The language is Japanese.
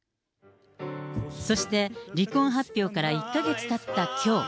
そして、離婚発表から１か月たったきょう。